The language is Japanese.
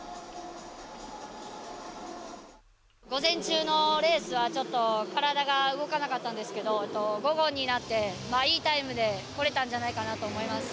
午前中のレースはちょっと体が動かなかったんですけど午後になって、いいタイムでこれたんじゃないかなと思います。